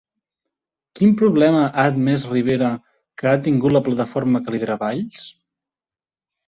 Quin problema ha admès Rivera que ha tingut la plataforma que lidera Valls?